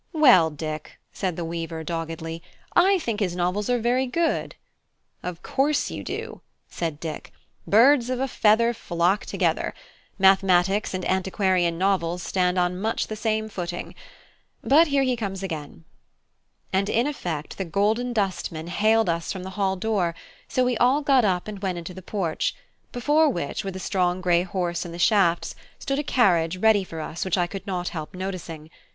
"Well, Dick," said the weaver, doggedly, "I think his novels are very good." "Of course you do," said Dick; "birds of a feather flock together; mathematics and antiquarian novels stand on much the same footing. But here he comes again." And in effect the Golden Dustman hailed us from the hall door; so we all got up and went into the porch, before which, with a strong grey horse in the shafts, stood a carriage ready for us which I could not help noticing.